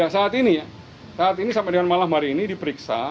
saat ini ya saat ini sampai dengan malam hari ini diperiksa